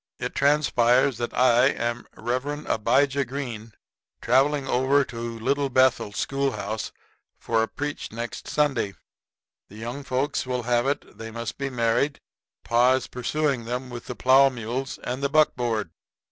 It transpires that I am Rev. Abijah Green, travelling over to Little Bethel school house for to preach next Sunday. The young folks will have it they must be married, for pa is pursuing them with the plow mules and the buckboard.